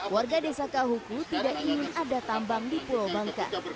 warga desa kahuku tidak ingin ada tambang di pulau bangka